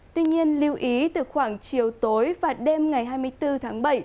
tuy nhiên lưu ý từ khoảng chiều tối và đêm ngày hai mươi bốn tháng bảy